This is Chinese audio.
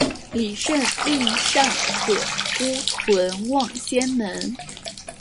李晟令尚可孤屯望仙门。